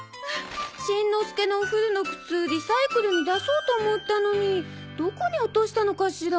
しんのすけのお古の靴リサイクルに出そうと思ったのにどこに落としたのかしら？